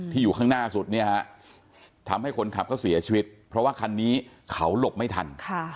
อยู่ข้างหน้าสุดเนี่ยฮะทำให้คนขับก็เสียชีวิตเพราะว่าคันนี้เขาหลบไม่ทัน